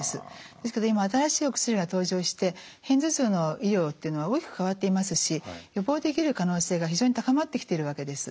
ですけど今は新しいお薬が登場して片頭痛の医療っていうのは大きく変わっていますし予防できる可能性が非常に高まってきているわけです。